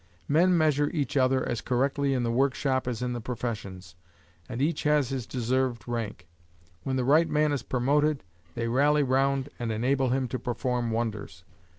Men measure each other as correctly in the workshop as in the professions, and each has his deserved rank. When the right man is promoted, they rally round and enable him to perform wonders.